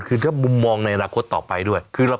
คือถ้ามุมมองในอนาคตต่อไปด้วย